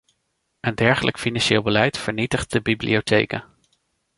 Een dergelijk financieel beleid vernietigt de bibliotheken.